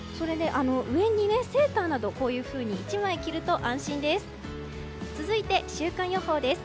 上にセーターなどこういうふうに１枚着ると安心です。